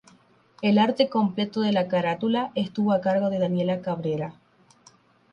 El arte completo de la carátula estuvo a cargo de Daniela Cabrera.